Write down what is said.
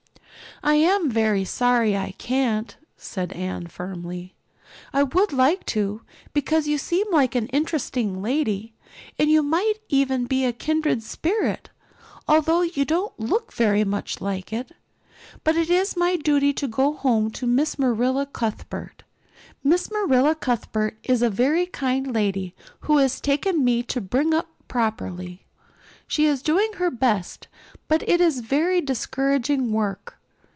"I am very sorry I can't," said Anne firmly. "I would like to, because you seem like an interesting lady, and you might even be a kindred spirit although you don't look very much like it. But it is my duty to go home to Miss Marilla Cuthbert. Miss Marilla Cuthbert is a very kind lady who has taken me to bring up properly. She is doing her best, but it is very discouraging work.